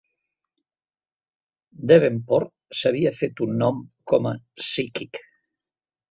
Devenport s'havia fet un nom com a psíquic.